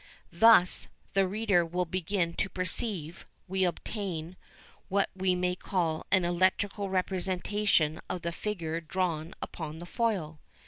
Thus, the reader will begin to perceive, we obtain what we may call an electrical representation of the figure drawn upon the foil.